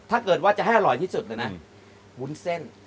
ถ้าเกิดว่าจะให้อร่อยที่สุดเลยนะวุ้นเส้น